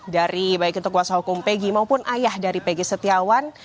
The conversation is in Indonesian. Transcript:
dari baik itu kuasa hukum peggy maupun ayah dari pegi setiawan